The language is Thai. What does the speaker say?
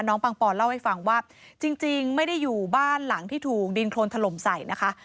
ปังปอนเล่าให้ฟังว่าจริงไม่ได้อยู่บ้านหลังที่ถูกดินโครนถล่มใส่นะคะ